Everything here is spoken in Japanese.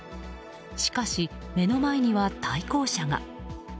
しかし、目の前には対向車が。